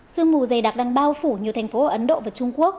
sương mù dày đặc đang bao phủ nhiều thành phố ở ấn độ và trung quốc